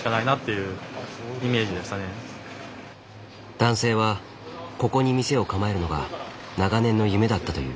男性はここに店を構えるのが長年の夢だったという。